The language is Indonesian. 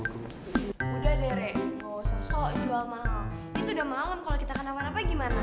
udah deh re gak usah sok jual mahal itu udah malem kalo kita kenapa kenapa gimana